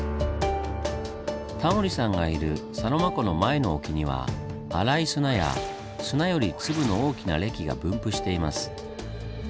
タモリさんがいるサロマ湖の前の沖には粗い砂や砂より粒の大きな礫が分布しています。